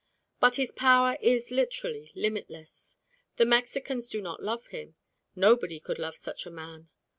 But his power is literally limitless. The Mexicans do not love him: nobody could love such a man.